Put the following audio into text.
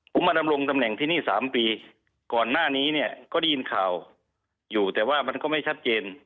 ผมมาดำรงตำแหน่งที่นี่๓ปีก่อนหน้านี้เนี่ยก็ได้ยินข่าวอยู่แต่ว่ามันก็ไม่ชัดเจน